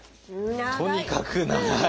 とにかく長い！